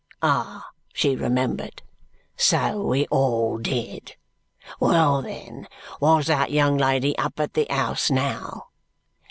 Ah, she remembered. So we all did. Well, then, wos that young lady up at the house now?